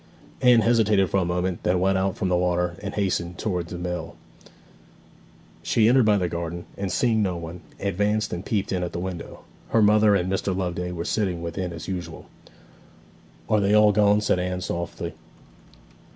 Anne hesitated for a moment, then went out from the water, and hastened towards the mill. She entered by the garden, and, seeing no one, advanced and peeped in at the window. Her mother and Mr. Loveday were sitting within as usual. 'Are they all gone?' said Anne softly.